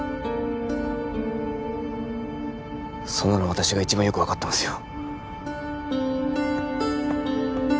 そんなの私が一番よく分かってますよ